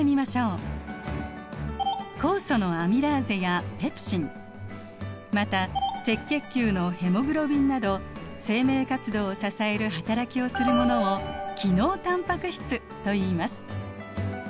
酵素のアミラーゼやペプシンまた赤血球のヘモグロビンなど生命活動を支える働きをするものを機能タンパク質といいます。